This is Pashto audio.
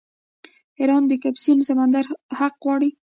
ایران د کسپین سمندر حق غواړي.